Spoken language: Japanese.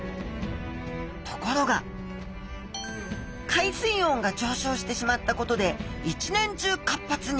ところが海水温が上昇してしまったことで一年中活発に。